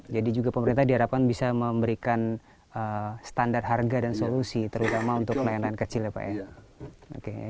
jadi juga pemerintah diharapkan bisa memberikan standar harga dan solusi terutama untuk nelayan nelayan kecil ya pak ya